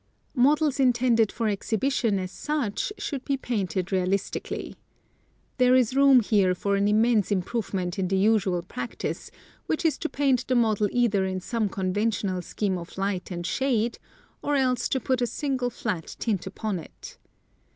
Models intended for exhibition as such should be painted real istically. There is room here for an immense improvement in the usual practice, which is to paint the model either in some conventional scheme of light and shade, or else to put a single flat tint upon it.